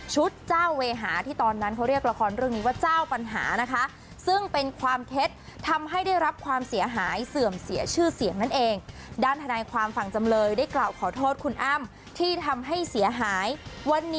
ชุดเจ้าเวหาที่ตอนนั้นเขาเรียกละครเรื่องนี้ว่าเจ้าปัญหานะคะ